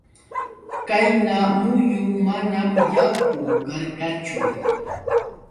Qayna muyun manam yaku karqachu.